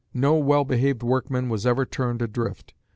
No well behaved workman was ever turned adrift.